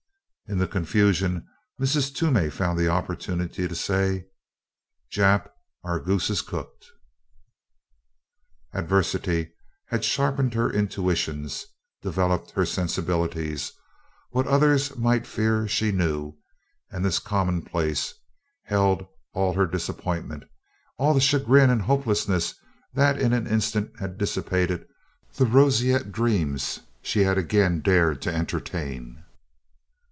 In the confusion Mrs. Toomey found the opportunity to say: "Jap, our goose is cooked!" Adversity had sharpened her intuitions, developed her sensibilities; what others might fear, she knew, and this commonplace held all her disappointment, all the chagrin and hopelessness that in an instant had dissipated the roseate dreams she had again dared to entertain.